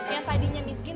yang tadinya miskin